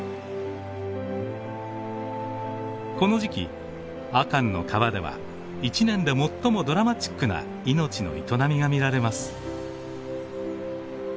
この時期阿寒の川では一年で最もドラマチックな命の営みが見られます。